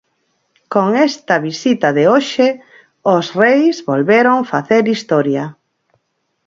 Con esta visita de hoxe, os reis volveron facer historia.